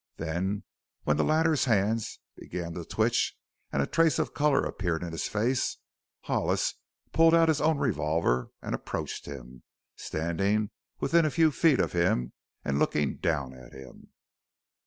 Then when the latter's hands began to twitch and a trace of color appeared in his face, Hollis pulled out his own revolver and approached him, standing within a few feet of him and looking down at him.